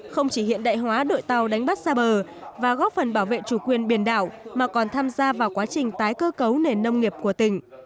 không chỉ hiện đại hóa đội tàu đánh bắt xa bờ và góp phần bảo vệ chủ quyền biển đảo mà còn tham gia vào quá trình tái cơ cấu nền nông nghiệp của tỉnh